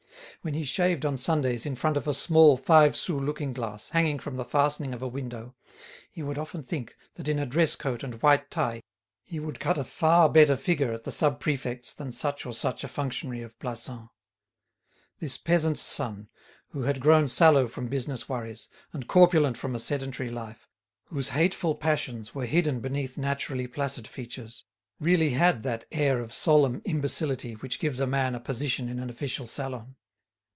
When he shaved on Sundays in front of a small five sou looking glass hanging from the fastening of a window, he would often think that in a dress coat and white tie he would cut a far better figure at the Sub Prefect's than such or such a functionary of Plassans. This peasant's son, who had grown sallow from business worries, and corpulent from a sedentary life, whose hateful passions were hidden beneath naturally placid features, really had that air of solemn imbecility which gives a man a position in an official salon.